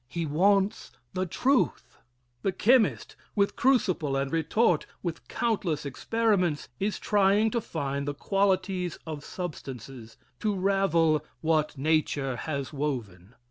He wants the truth. The chemist, with crucible and retort, with countless experiments, is trying to find the qualities of substances to ravel what nature has woven.